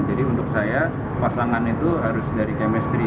jadi untuk saya pasangan itu harus dari chemistry